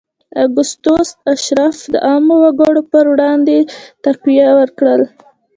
اګوستوس اشراف د عامو وګړو پر وړاندې تقویه کړل.